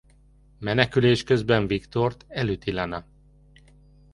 Menekülés közben Victor-t elüti Lana.